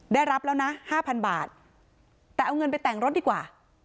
ได้รับแล้วนะห้าพันบาทแต่เอาเงินไปแต่งรถดีกว่า